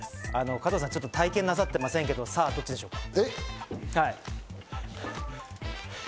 加藤さん、体験なさってないですけど、どちらでしょうか？